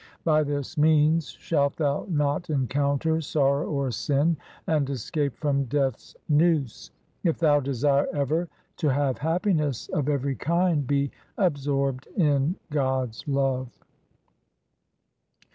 By this means shalt thou not encounter sorrow or sin, and escape from Death's noose. If thou desire ever to have happiness of every kind, be absorbed in God's love.